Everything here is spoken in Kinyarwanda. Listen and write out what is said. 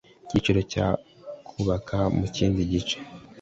Icyiciro cya Kubaka mu kindi gice